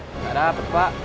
nggak dapat pak